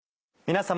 皆様。